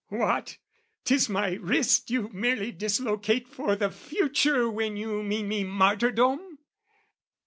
What? 'Tis my wrist you merely dislocate For the future when you mean me martyrdom?